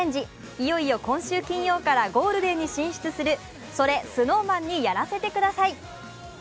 いよいよ今週金曜からゴールデンに進出する「それＳｎｏｗＭａｎにやらせて下さい」。